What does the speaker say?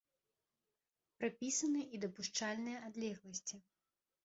Прапісаны і дапушчальныя адлегласці.